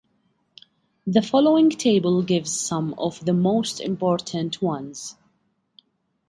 The following table gives some of the most important ones.